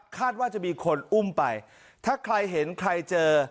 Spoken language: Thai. คาดว่าจะมีคนอุ้มไปถ้าใครเห็นใครเจอ